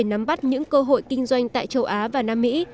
ông trump đã đánh bắt những cơ hội kinh doanh tại châu á và nam mỹ